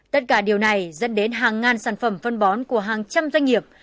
tất cả điều này dẫn đến hàng ngàn sản phẩm phân bón của hàng trăm doanh nghiệp